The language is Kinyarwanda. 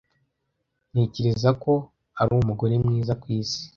Ntekereza ko ari umugore mwiza ku isi.